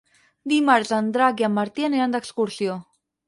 Dimarts en Drac i en Martí aniran d'excursió.